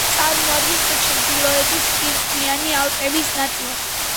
წარმოადგენს ჩრდილოეთის კირქვიანი ალპების ნაწილს.